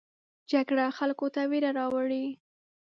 جګړه خلکو ته ویره راوړي